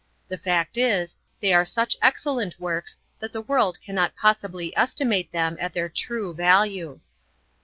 The fact is, they are such excellent works that the world cannot possibly estimate them at their true value.